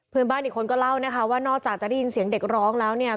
เพื่อนบ้านอีกคนก็เล่านะคะว่านอกจากจะได้ยินเสียงเด็กร้องแล้วเนี่ย